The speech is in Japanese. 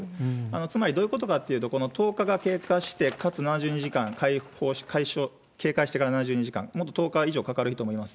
つまりどういうことかというと、この１０日が経過して、かつ７２時間、軽快してから７２時間、もっと、１０日以上かかる人もいます。